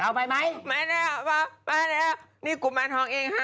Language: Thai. เอาไปไหมไม่มีนะครับนี่กุมารทองเองฮะ